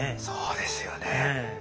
そうですよね。